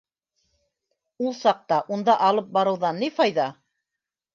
Ул саҡта унда алып барыуҙан ни файҙа?!